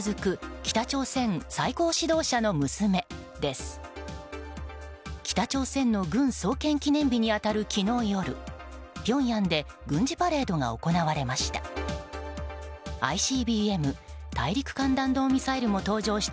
北朝鮮の軍創建記念日に当たる昨日夜ピョンヤンで軍事パレードが行われました。